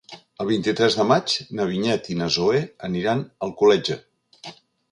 El vint-i-tres de maig na Vinyet i na Zoè aniran a Alcoletge.